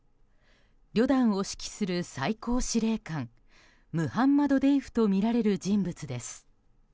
旅団を指揮する最高司令官ムハンマド・デイフとみられる人物です。